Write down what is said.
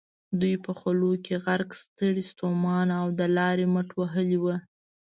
دوی په خولو کې غرق، ستړي ستومانه او د لارې مټ وهلي ول.